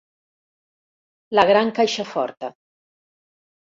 La gran caixa forta.